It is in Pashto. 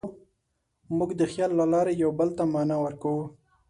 موږ د خیال له لارې یوه بل ته معنی ورکوو.